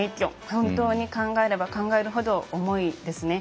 本当に考えれば考えるほど重いですね。